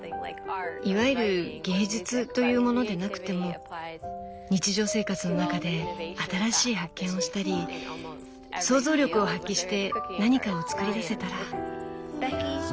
いわゆる芸術というものでなくても日常生活の中で新しい発見をしたり想像力を発揮して何かを作り出せたら。